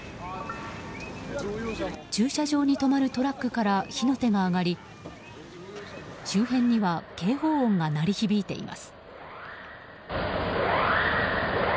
駐車場に止まるトラックから火の手が上がり周辺には警報音が鳴り響いています。